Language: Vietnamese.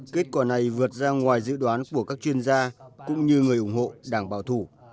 kết quả này vượt ra ngoài dự đoán của các chuyên gia cũng như người ủng hộ đảng bảo thủ